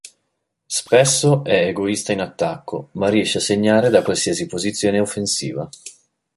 Spesso è egoista in attacco, ma riesce a segnare da qualsiasi posizione offensiva.